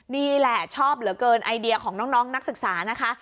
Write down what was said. นี่แหละชอบเหลือเกินไอเดียของน้องนักศึกษานะคะ